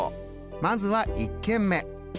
まずは１軒目。